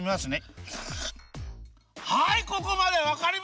はい！